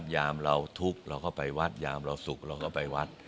ยามเราทุกข์เราก็ไปวัดยามเราสุขเราก็ไปวัด